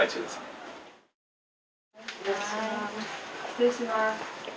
失礼します。